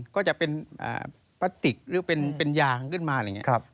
ก็จะเป็นพลาสติกหรือเป็นยางขึ้นมาอะไรอย่างนี้